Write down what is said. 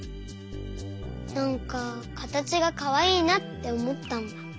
なんかかたちがかわいいなっておもったんだ。